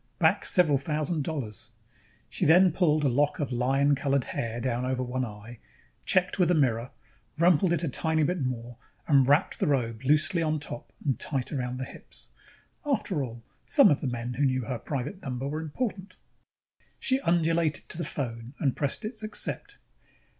back several thousand dollars. Then she pulled a lock of lion colored hair down over one eye, checked with a mirror, rumpled it a tiny bit more and wrapped the robe loosely on top and tight around the hips. After all, some of the men who knew her private number were important. She undulated to the phone and pressed its Accept.